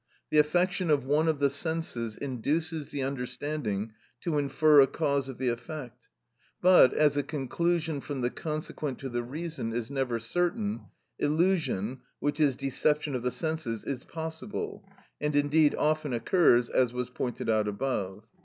The affection of one of the senses induces the understanding to infer a cause of the effect, but, as a conclusion from the consequent to the reason is never certain, illusion, which is deception of the senses, is possible, and indeed often occurs, as was pointed out above.